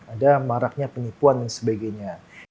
ada maraknya penipuan dan sebagainya